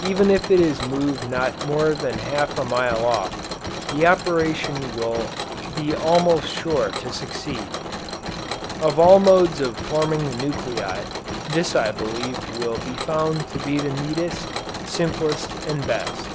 Even if it is moved not more than half a mile off, the operation will be almost sure to succeed. Of all modes of forming the nuclei, this I believe will be found to be the neatest, simplest and best.